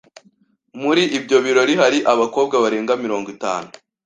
Muri ibyo birori hari abakobwa barenga mirongo itanu.